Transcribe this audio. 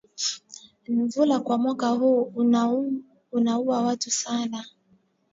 Nvula kwa mwaka huu inauwa watu sana